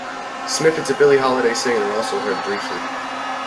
Snippets of Billie Holiday singing are also heard briefly.